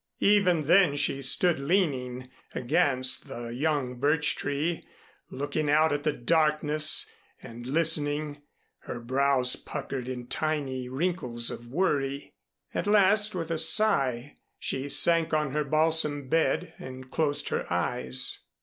Even then she stood leaning against the young birch tree looking out at the darkness and listening, her brows puckered in tiny wrinkles of worry. At last with a sigh, she sank on her balsam bed and closed her eyes.